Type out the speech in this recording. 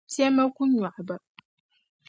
piɛma ku nyɔɣi ba.